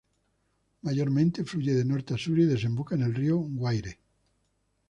Mayormente fluye de norte a sur y desemboca en el río Guaire.